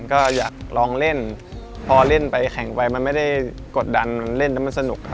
ก็อยากลองเล่นพอเล่นไปแข่งไปมันไม่ได้กดดันเล่นแล้วมันสนุกครับ